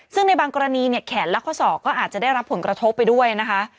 ซึ่งในบางกรณีเนี่ยแขนและข้อศอกก็อาจจะได้รับผลกระทบไปด้วยนะคะ